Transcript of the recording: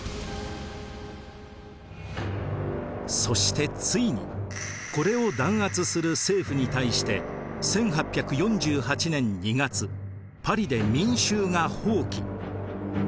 そしてついにこれを弾圧する政府に対して１８４８年２月パリで民衆が蜂起。